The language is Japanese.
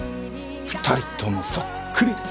２人ともそっくりで。